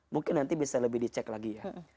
mungkin nanti bisa lebih dicek lagi ya